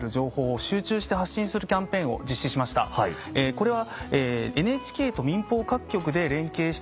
これは。